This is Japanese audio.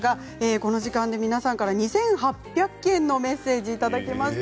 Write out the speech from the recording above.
この時間で皆さんから２８００件のメッセージをいただきました。